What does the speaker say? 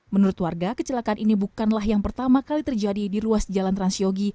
menurut warga kecelakaan ini bukanlah yang pertama kali terjadi di ruas jalan transyogi